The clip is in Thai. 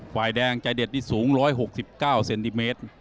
ฝ่ายแดงใจเด็ดนี่สูง๑๖๙เซนติเมตร